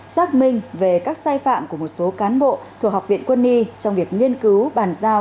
xác minh về các sai phạm của một số cán bộ thuộc học viện quân y trong việc nghiên cứu bàn giao